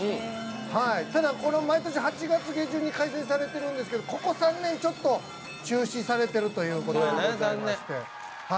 ただ、毎年８月下旬に再開されているんですけどここ３年、ちょっと中止されているということでございまして。